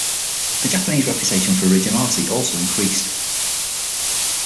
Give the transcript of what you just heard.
The Japanese reputation for originality also increased.